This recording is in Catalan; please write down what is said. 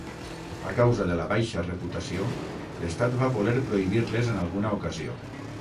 A causa de la baixa reputació, l'estat va voler prohibir-les en alguna ocasió.